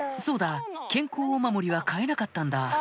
そうだ健康お守りは買えなかったんだ